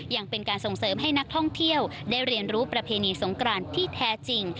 ยังเป็นการส่งเสริมให้นักท่องเที่ยวได้เรียนรู้ประเพณีสงกรานที่แท้จริง